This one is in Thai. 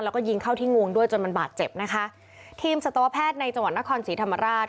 แล้วก็ยิงเข้าที่งวงด้วยจนมันบาดเจ็บนะคะทีมสัตวแพทย์ในจังหวัดนครศรีธรรมราช